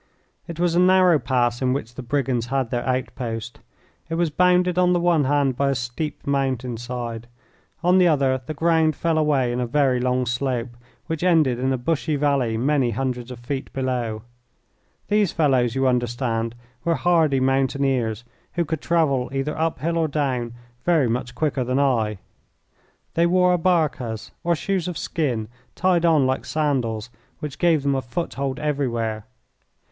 It was a narrow pass in which the brigands had their outpost. It was bounded on the one hand by a steep mountain side. On the other the ground fell away in a very long slope, which ended in a bushy valley many hundreds of feet below. These fellows, you understand, were hardy mountaineers, who could travel either up hill or down very much quicker than I. They wore abarcas, or shoes of skin, tied on like sandals, which gave them a foothold everywhere.